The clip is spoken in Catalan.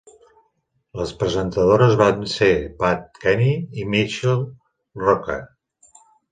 Les presentadores van ser Pat Kenny i Michelle Rocca.